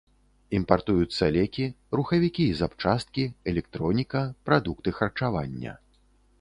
Імпартуюцца лекі, рухавікі і запчасткі, электроніка, прадукты харчавання.